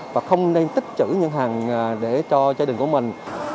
và không nên tích chữ những hàng để cho gia đình của mình